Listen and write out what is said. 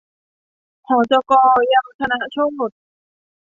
หจก.เยาวธนโชค